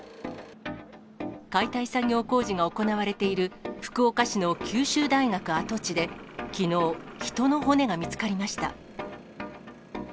解体作業工事が行われている福岡市の九州大学跡地で、きのう、人の骨が見つかりました。